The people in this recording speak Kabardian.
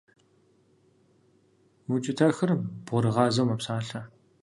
Укӏытэхыр бгъурыгъазэу мэпсалъэ.